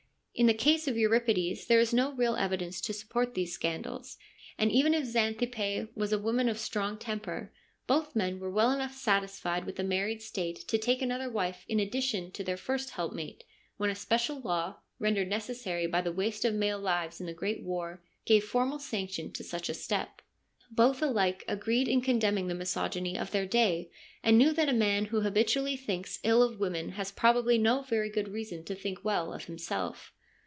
In the case of Euripides there is no real evidence to support these scandals, and even if Xanthippe was a woman of strong temper, both men were well enough satisfied with the married state to take another wife in addition to their first helpmate, when a special law, rendered necessary by the waste of male lives in the great war, gave formal sanction to such a step. Both alike agreed in condemning the misogyny of their day and knew that a man who habitually thinks ill of women has probably no very good reason to think well of himself.